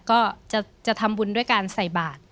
ก็จะทำบุญด้วยการใส่บาท